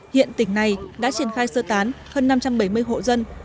hiện tỉnh này đã triển khai sơ tán hơn năm trăm bảy mươi hộ dân